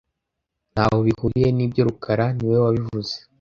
Ntaho bihuriye nibyo rukara niwe wabivuze